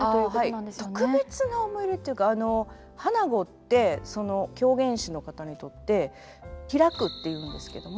特別な思い入れというか「花子」って狂言師の方にとって「披く」って言うんですけども。